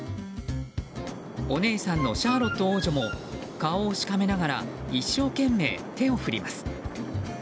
お姉さんのシャーロット王女も顔をしかめながら一生懸命、手を振ります。